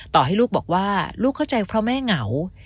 ต่อให้ลูกบอกว่าลูกเข้าใจเพราะแม่เหงา